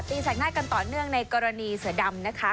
แสกหน้ากันต่อเนื่องในกรณีเสือดำนะคะ